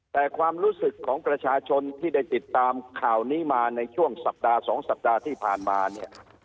แต่ความรู้สึกของประชาชนที่ได้ติดตามข่าวนี้มาในช่วงสัปดาห์๒สัปดาห์ที่ผ่านมาเนี่ย